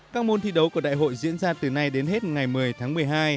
các môn thi đấu của đại hội diễn ra từ nay đến hết ngày một mươi tháng một mươi hai